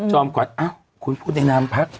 จอมกวันคุณพูดในนามหัวหน้าพัก